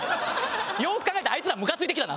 よーく考えたらあいつらムカついてきたな。